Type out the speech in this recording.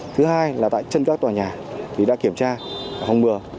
thứ hai là tại chân các tòa nhà thì đã kiểm tra phòng ngừa